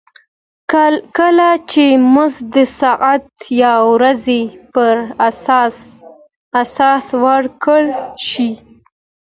کله چې مزد د ساعت یا ورځې پر اساس ورکړل شي